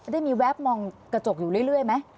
ได้มีแวบมองกระจกอยู่เรื่อยไหม